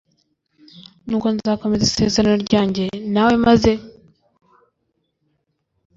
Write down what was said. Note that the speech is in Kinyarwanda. nuko nzakomeza isezerano ryanjye nawe maze